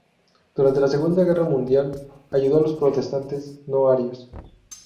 Durante la Segunda Guerra Mundial ayudó a los protestantes "no arios".